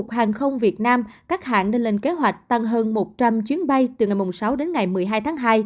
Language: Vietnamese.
cục hàng không việt nam các hãng đã lên kế hoạch tăng hơn một trăm linh chuyến bay từ ngày sáu đến ngày một mươi hai tháng hai